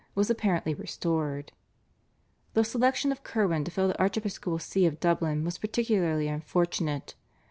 was apparently restored. The selection of Curwen to fill the archiepiscopal See of Dublin was particularly unfortunate.